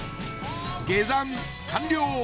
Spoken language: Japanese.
下山完了！